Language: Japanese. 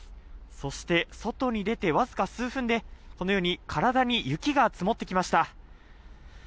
そして、外に出てわずか数分でこのように体に雪が積もってきました。